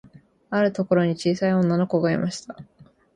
あるところに、ちいさい女の子がいました。